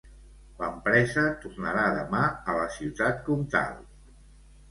L'empresa tornarà demà a la ciutat comtal.